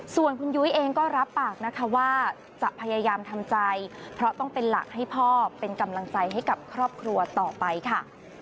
ส่วนคุณยุ้ยเองก็รับปากนะคะว่าจะพยายามทำใจเพราะต้องเป็นหลักให้พ่อเป็นกำลังใจให้กับครอบครัวต่อไปค่ะ